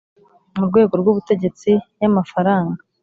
mu rwego rw ubutegetsi y amafaranga